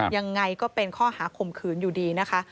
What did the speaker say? ยังไงก็เป็นข้อหาข่มขืนอยู่ดีนะคะ